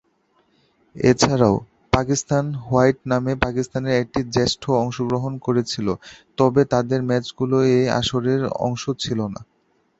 এছাড়াও, পাকিস্তান হোয়াইট নামে পাকিস্তানের একটি জ্যেষ্ঠ অংশগ্রহণ করেছিল; তবে, তাদের ম্যাচগুলো এই আসরের অংশ ছিল না।